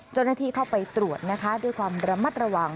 เจ้าหน้าที่เข้าไปตรวจนะคะด้วยความระมัดระวัง